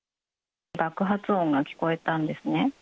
爆発音が聞こえたんですね。